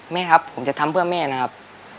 แม่ครับผมจะทำเพื่อแม่นะครับ